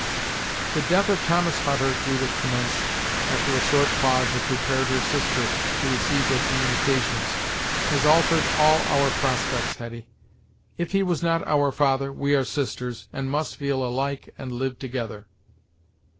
"The death of Thomas Hutter," Judith commenced, after a short pause had prepared her sister to receive her communications, "has altered all our prospects, Hetty. If he was not our father, we are sisters, and must feel alike and live together."